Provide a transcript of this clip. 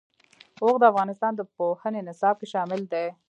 اوښ د افغانستان د پوهنې نصاب کې شامل دي.